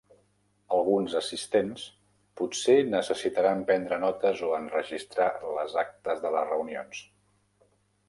Alguns assistents potser necessitaran prendre notes o enregistrar les actes de les reunions.